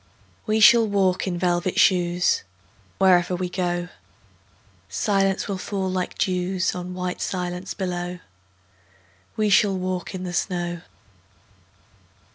We shall walk in velvet shoes: Wherever we go Silence will fall like dews On white silence below. We shall walk in the snow.